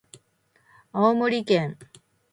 青森県三戸町